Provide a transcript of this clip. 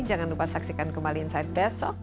jangan lupa saksikan kembali insight besok